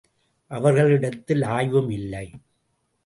அவர்களிடத்தில் ஆய்வும் இல்லை!